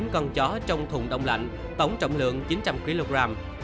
bốn con chó trong thùng đông lạnh tổng trọng lượng chín trăm linh kg